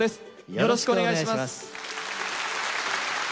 よろしくお願いします。